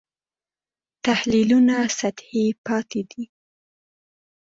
تحلیلونه سطحي پاتې دي.